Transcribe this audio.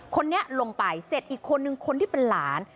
คนนี้ลงไปเสร็จอีกคนนึงคนที่เป็นหลาน